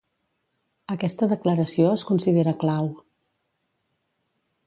Aquesta declaració es considera clau.